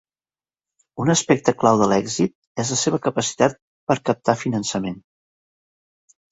Un aspecte clau de l’èxit és la seva capacitat per a captar finançament.